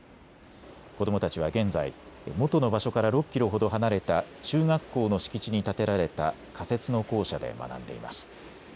子どもたちは現在、元の場所から６キロほど離れた中学校の敷地に建てられた仮設の校舎で学んでいます。